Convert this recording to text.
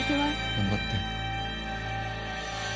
頑張って。